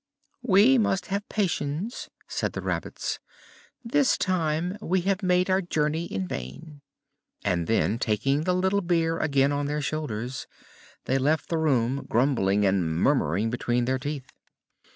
"We must have patience!" said the rabbits; "this time we have made our journey in vain." And, taking the little bier again on their shoulders, they left the room, grumbling and murmuring between their teeth.